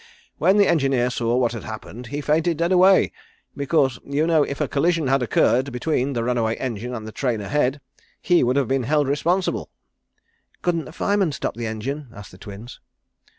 When the engineer saw what had happened he fainted dead away, because you know if a collision had occurred between the runaway engine and the train ahead he would have been held responsible." "Couldn't the fireman stop the engine?" asked the Twins.